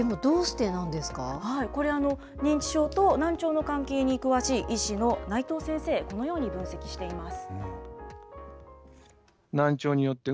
これ、認知症と難聴の関係に詳しい医師の内藤先生、このように分析しています。